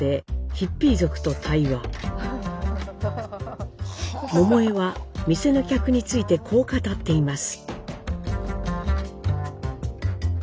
ヒッピー族と対話」桃枝は店の客についてこう語っています。